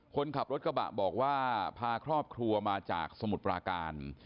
คนขับรถกระบะบอกว่าพาครอบครัวมาจากสมุทรปราการ